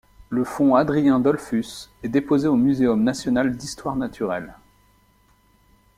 Le fonds Adrien Dollfus est déposé au Muséum national d'histoire naturelle.